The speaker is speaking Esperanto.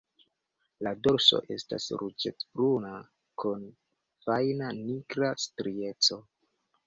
La dorso estas ruĝecbruna kun fajna nigra strieco.